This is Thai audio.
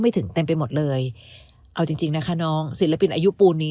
ถึงเต็มไปหมดเลยเอาจริงจริงนะคะน้องศิลปินอายุปูนนี้